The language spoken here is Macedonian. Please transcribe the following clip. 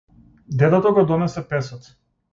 Дедото го донесе песот.